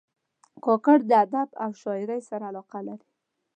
کاکړ د ادب او شاعرۍ سره علاقه لري.